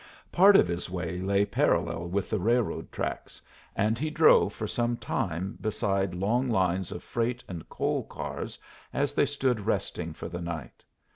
Part of his way lay parallel with the railroad tracks, and he drove for some time beside long lines of freight and coal cars as they stood resting for the night.